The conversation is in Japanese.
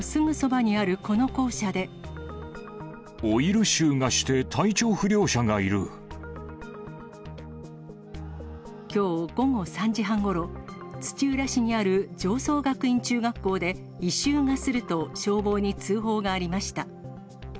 オイル臭がして体調不良者がきょう午後３時半ごろ、土浦市にある常総学院中学校で、異臭がすると消防に通報がありました。